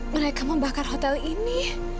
mereka membakar hotel ini